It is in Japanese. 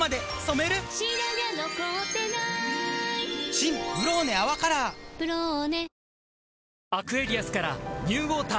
新「ブローネ泡カラー」「ブローネ」